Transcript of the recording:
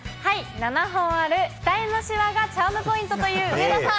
７本ある額のしわがチャームポイントという上田さん。